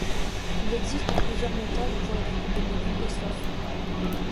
Il existe plusieurs méthodes pour écrire des modules d'extensions.